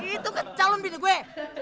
itu kecalon bintik gue